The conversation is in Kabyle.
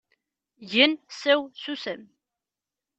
Gen, seww, susem.